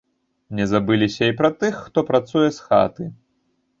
Не забыліся і пра тых, хто працуе з хаты.